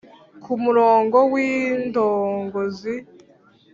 ku murongo w’indongozi